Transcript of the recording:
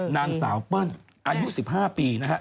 นางสาวเปิ้ลอายุ๑๕ปีนะฮะ